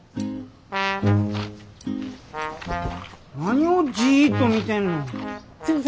何をじっと見てんの？